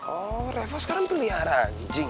oh revo sekarang pelihara anjing